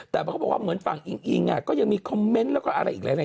แต่เขาบอกว่าเหมือนฝั่งอิงอิงก็ยังมีคอมเมนต์แล้วก็อะไรอีกหลาย